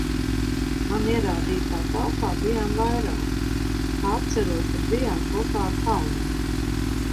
Man ierādītā telpā bijām vairāki, kā atceros, tad bijām kopā ar Kalniņu.